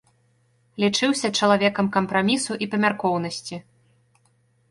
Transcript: Лічыўся чалавекам кампрамісу і памяркоўнасці.